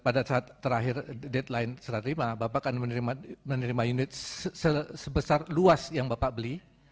pada saat terakhir deadline setelah terima bapak akan menerima unit sebesar luas yang bapak beli